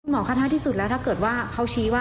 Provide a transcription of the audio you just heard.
คะท้ายที่สุดแล้วถ้าเกิดว่าเขาชี้ว่า